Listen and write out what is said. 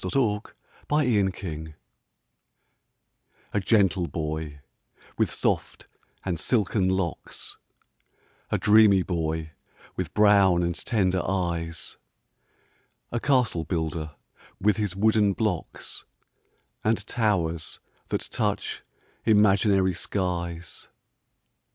THE CASTLE BUILDER A gentle boy, with soft and silken locks A dreamy boy, with brown and tender eyes, A castle builder, with his wooden blocks, And towers that touch imaginary skies.